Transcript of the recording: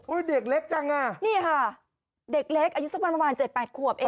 เฮ้ยเด็กเล็กจังนี่ค่ะเด็กเล็กอายุสักประมาณ๗๘ขวบเอง